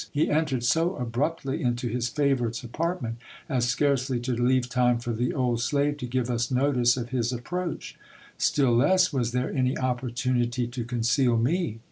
He entered so abruptly into his favourite's apartment, as scarcely to leave time for the old slave to give us notice of his approach. Still less was there any opportunity to conceal me.